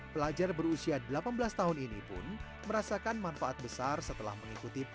pelajar berusia delapan belas tahun ini pun merasakan manfaat besar setelah mengikuti pendidikan